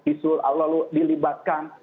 lalu disuruh lalu dilibatkan